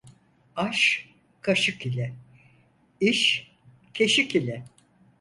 Aş kaşık ile, iş keşik ile.